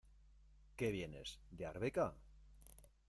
Que vienes ¿de Arbeca?